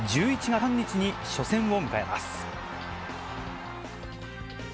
１１月２３日に初戦を迎えます。